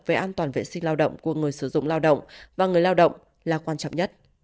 về an toàn vệ sinh lao động của người sử dụng lao động và người lao động là quan trọng nhất